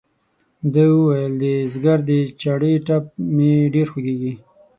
ده وویل د ځګر د چړې ټپ مې ډېر خوږېږي.